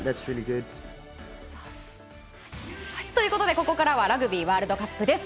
ここからはラグビーワールドカップです。